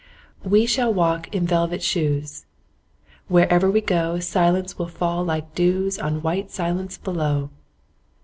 We shall walk in velvet shoes: Wherever we go Silence will fall like dews On white silence below.